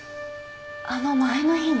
あの前の日に？